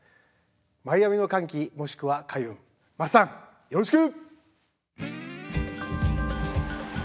「マイアミの歓喜もしくは開運」まっさんよろしく！